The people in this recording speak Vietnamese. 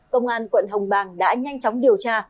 công an quận hồng bàng đã nhanh chóng điều tra